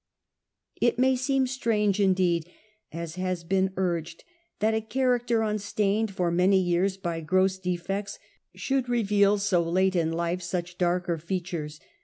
It may seem strange, indeed, as has been urged, that a character unstained for many years by gross defects should reveal so late in life such darker features.